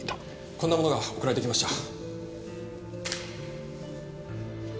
こんなものが送られてきました。